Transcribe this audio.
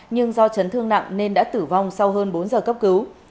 nhưng do chấn thương nặng nên đã tử vong sau hơn bốn giờ cấp cứu